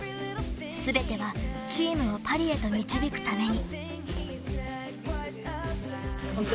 全てはチームをパリへと導くために。